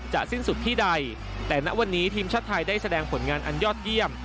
สิ้นสุดที่ใดแต่ณวันนี้ทีมชาติไทยได้แสดงผลงานอันยอดเยี่ยม